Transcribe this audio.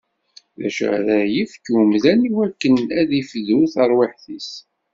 D acu ara yefk umdan iwakken ad d-ifdu tarwiḥt-is?